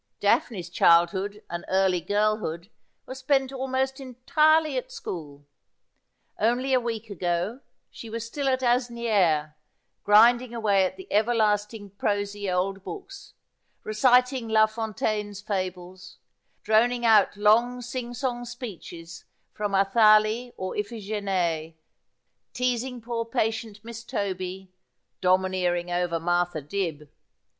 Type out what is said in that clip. Daphne's childhood and early girl hood were spent almost entirely at school. Only a week ago she was still at Asnieres, grinding away at the everlasting prosy old books, reciting Lafontaine's fables, droning out long sing song speeches from Athalie or Iphigenie, teasing poor patient Miss Toby, domineering over Martha Dibb.